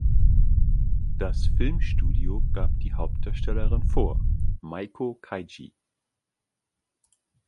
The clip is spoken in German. Das Filmstudio gab die Hauptdarstellerin vor: Meiko Kaji.